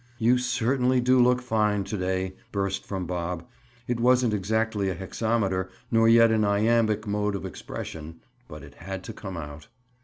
"You certainly do look fine to day!" burst from Bob. It wasn't exactly a hexameter nor yet an iambic mode of expression. But it had to come out.